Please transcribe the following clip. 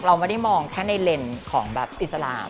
เราไม่ได้มองแค่ในเลนส์ของแบบอิสลาม